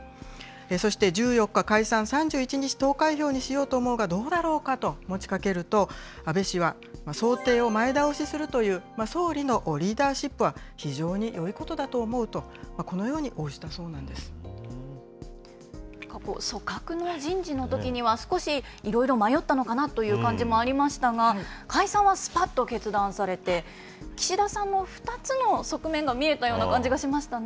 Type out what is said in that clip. そして、１４日解散、３１日投開票にしようと思うが、どうだろうかと持ちかけると、安倍氏は想定を前倒しするという、総理のリーダーシップは非常によいことだと思うと、このように応組閣の人事のときには、少しいろいろ迷ったのかなという感じもありましたが、解散はすぱっと決断されて、岸田さんの２つの側面が見えたような感じがしましたね。